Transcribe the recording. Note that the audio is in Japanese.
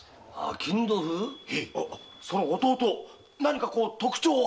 その弟何か特徴は？